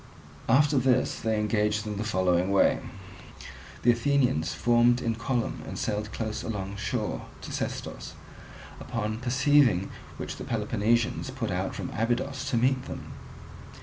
After this they engaged in the following way. The Athenians formed in column and sailed close alongshore to Sestos; upon perceiving which the Peloponnesians put out from Abydos to meet them.